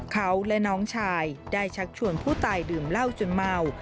เขาและน้องชายได้ชักชวนผู้ตายดื่มเหล้าจนเมา